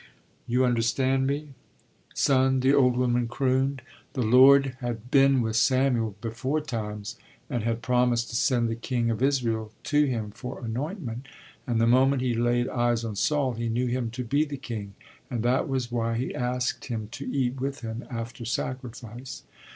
You understand me, Son, the old woman crooned, the Lord had been with Samuel beforetimes and had promised to send the King of Israel to him for anointment, and the moment he laid eyes on Saul he knew him to be the king; and that was why he asked him to eat with him after sacrifice.